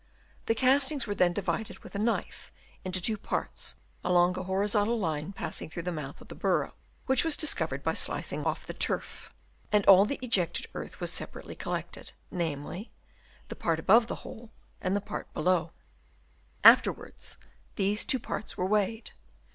The castings were then divided with a knife into two parts along a horizontal line passing through the mouth 268 DENUDATION OF THE LAND Chap. VI. of the burrow, which was discovered by slicing off the turf; and all the ejected earth was separately collected, namely, the part above the hole and the part below. Afterwards these two parts were weighed.